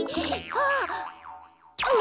ああ。